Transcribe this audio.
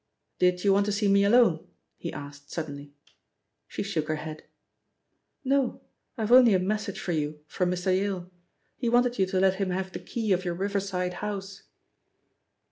"Did you want to see me alone?" he asked suddenly. She shook her head. "No; I've only a message for you from Mr. Yale. He wanted you to let him have the key of your riverside house."